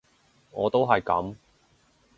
我都係噉